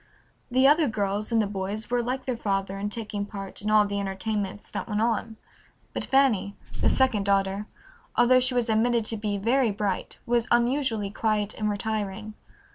The other girls and the boys were like their father in taking part in all the entertainments that went on, but Fanny, the second daughter, although she was admitted to be very bright, was unusually quiet and retiring.